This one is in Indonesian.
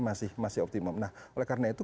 masih masih optimum nah oleh karena itu